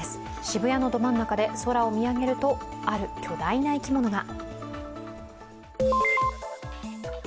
渋谷のど真ん中で、空を見上げるとある巨大な生き物が。